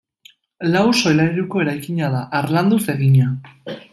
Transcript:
Lau solairuko eraikina da, harlanduz egina.